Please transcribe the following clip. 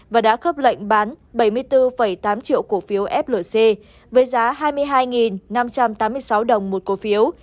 và đã khớp lệnh bán bảy mươi bốn tám triệu cổ phiếu flc với giá hai mươi hai năm trăm tám mươi sáu đồng một cổ phiếu